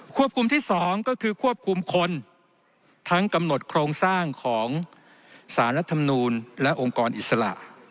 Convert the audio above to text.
คุมที่๒ก็คือควบคุมคนทั้งกำหนดโครงสร้างของสารรัฐมนูลและองค์กรอิสระ